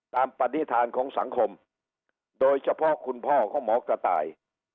ปฏิฐานของสังคมโดยเฉพาะคุณพ่อของหมอกระต่าย